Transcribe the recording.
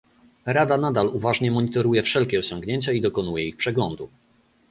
Rada nadal uważnie monitoruje wszelkie osiągnięcia i dokonuje ich przeglądu